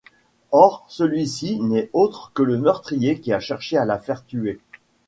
Or celui-ci n'est autre que le meurtrier qui a cherché à la faire tuer.